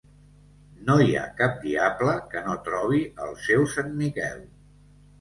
No hi ha cap diable que no trobi el seu sant Miquel.